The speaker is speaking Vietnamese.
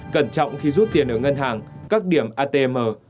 cẩn trọng khi rút tiền ở ngân hàng các điểm atm